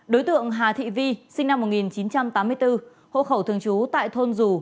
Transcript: đối tượng hà thị vi sinh năm một nghìn chín trăm tám mươi bốn hộ khẩu thường trú tại thôn dù